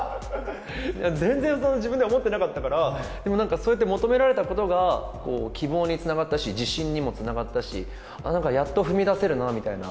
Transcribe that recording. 全然、自分では思ってなかったから、でもそうやって求められたことが、希望につながったし、自信にもつながったし、あっ、なんかやっと踏み出せるみたいな。